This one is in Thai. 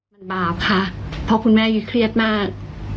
มันบาปค่ะเพราะคุณแม่ยุ้ยเครียดมาก